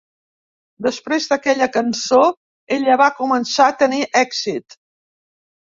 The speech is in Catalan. Després d'aquella cançó ella va començar a tenir èxit.